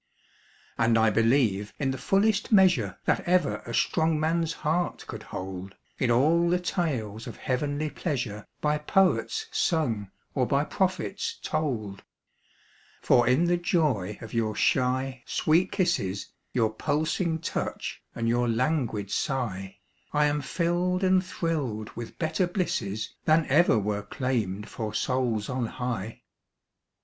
And I believe, in the fullest measure That ever a strong man's heart could hold, In all the tales of heavenly pleasure By poets sung or by prophets told; For in the joy of your shy, sweet kisses, Your pulsing touch and your languid sigh I am filled and thrilled with better blisses Than ever were claimed for souls on high.